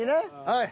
はい。